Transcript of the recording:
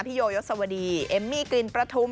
พี่โยยสวดีเอมมี่กิลประทุม